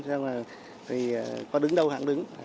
chứ không là có đứng đâu hẳn đứng